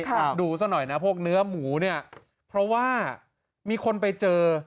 ดูซะหน่อยนะพวกเนื้อหมูเนี่ยเพราะว่ามีคนไปเจอ